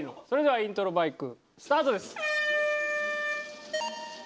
それではイントロバイクスタートです。